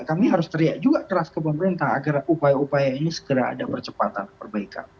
kami harus teriak juga keras ke pemerintah agar upaya upaya ini segera ada percepatan perbaikan